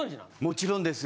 もちろんです。